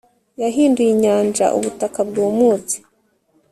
yahinduye inyanja ubutaka bwumutse